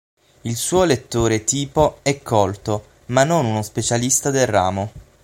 Il suo lettore-tipo è colto, ma non uno specialista del ramo.